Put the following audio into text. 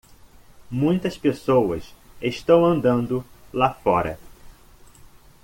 Muitas pessoas estão andando lá fora.